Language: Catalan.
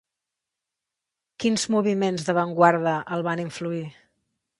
Quins moviments d'avantguarda el van influir?